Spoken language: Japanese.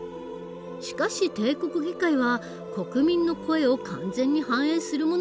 しかし帝国議会は国民の声を完全に反映するものではなかった。